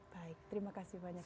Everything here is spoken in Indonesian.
baik terima kasih banyak